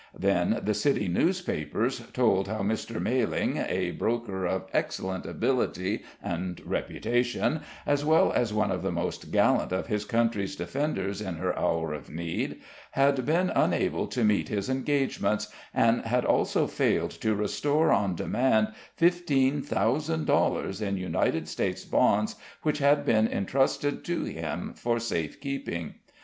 Then the city newspapers told how Mr. Malling, a broker of excellent ability and reputation, as well as one of the most gallant of his country's defenders in her hour of need, had been unable to meet his engagements, and had also failed to restore on demand fifteen thousand dollars in United States bonds which had been intrusted to him for safe keeping.